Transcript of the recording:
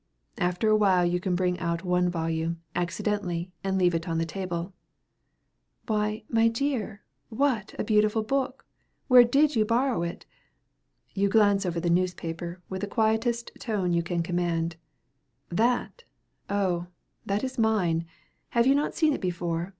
After a while you can bring out one volume, accidentally, and leave it on the table. "Why, my dear, what a beautiful book! Where did you borrow it?" You glance over the newspaper, with the quietest tone you can command: "That! oh! that is mine. Have you not seen it before?